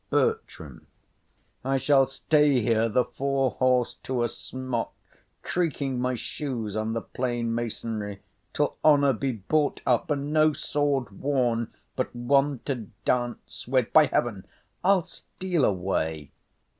BERTRAM. I shall stay here the forehorse to a smock, Creaking my shoes on the plain masonry, Till honour be bought up, and no sword worn But one to dance with. By heaven, I'll steal away.